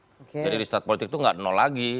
jadi restart politik itu tidak ada nol lagi